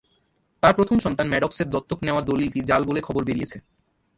তাঁর প্রথম সন্তান ম্যাডক্সের দত্তক নেওয়ার দলিলটি জাল বলে খবর বেরিয়েছে।